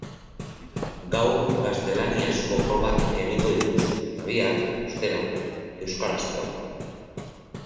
Gaur gaztelaniazko probak egingo dituzte eta bihar, ostera, euskarazkoak.